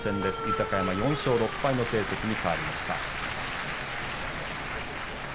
豊山４勝６敗の成績に変わりました。